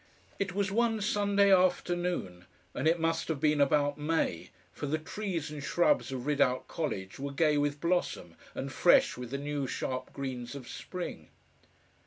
It was one Sunday afternoon, and it must have been about May, for the trees and shrubs of Ridout College were gay with blossom, and fresh with the new sharp greens of spring.